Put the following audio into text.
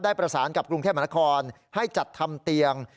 ประสานกับกรุงเทพมหานครให้จัดทำเตียง